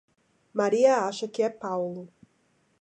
Maria acha que é Paulo.